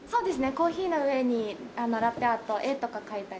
コーヒーの上にラテアート絵とか描いたり。